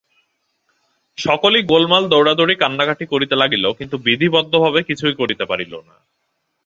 সকলেই গোলমাল দৌড়াদৌড়ি কান্নাকাটি করিতে লাগিল, কিন্তু বিধিবদ্ধভাবে কিছুই করিতে পারিল না।